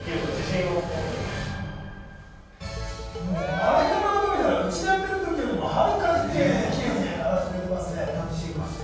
洗い方とか見たら、うちでやってるときよりも、遥かに丁寧にキレイに洗ってくれてますね。